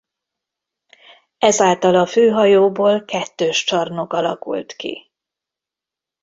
Ezáltal a főhajóból kettős csarnok alakult ki.